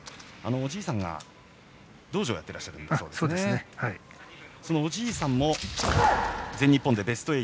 おじいさんが道場をやってらっしゃるそうでそのおじいさんも全日本でベスト８。